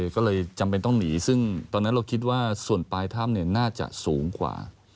ก็เลยจำเป็นต้องหนีซึ่งตอนนั้นเราคิดว่าส่วนปลายถ้ำน่าจะสูงกว่า